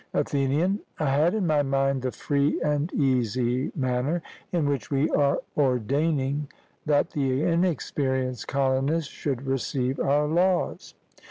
ATHENIAN: I had in my mind the free and easy manner in which we are ordaining that the inexperienced colonists shall receive our laws.